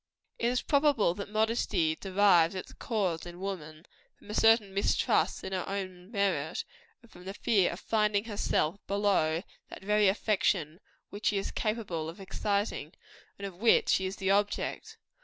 "It is probable that modesty derives its cause in woman, from a certain mistrust in her own merit, and from the fear of finding herself below that very affection which she is capable of exciting, and of which she is the object.